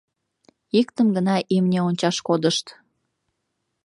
Иктым гына имне ончаш кодышт.